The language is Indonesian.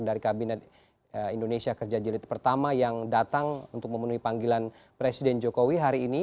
dari kabinet indonesia kerja jilid pertama yang datang untuk memenuhi panggilan presiden jokowi hari ini